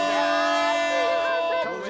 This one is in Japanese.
すいません。